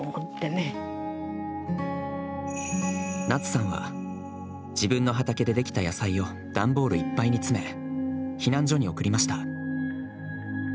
ナツさんは、自分の畑でできた野菜を段ボールいっぱいに詰め避難所に送りました。